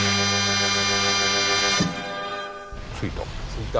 着いた。